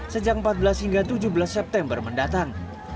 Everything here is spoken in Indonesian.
sejak empat belas hingga tujuh belas september mendatang